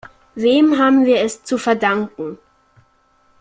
Wem haben wir es zu verdanken?